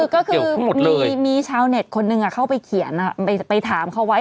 ก็คือมีชาวเน็ตคนหนึ่งเข้าไปเขียนไปถามเขาไว้